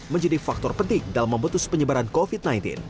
menjadi faktor penting dalam memutus penyebaran covid sembilan belas